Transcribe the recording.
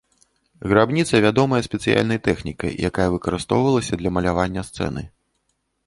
Грабніца вядомая спецыяльнай тэхнікай, якая выкарыстоўвалася для малявання сцэны.